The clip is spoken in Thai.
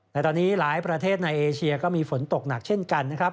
แต่ตอนนี้หลายประเทศในเอเชียก็มีฝนตกหนักเช่นกันนะครับ